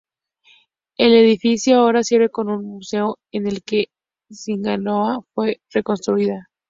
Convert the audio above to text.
El edificio ahora sirve como un museo en el que la sinagoga fue reconstruida.